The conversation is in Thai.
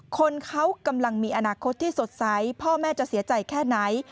คนเขากำลังมีอนาคตที่สดใสพ่อแม่จะเสียใจแค่ไหน